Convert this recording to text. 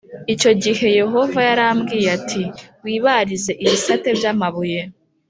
Icyo gihe Yehova yarambwiye ati ‘wibarize ibisate by’amabuye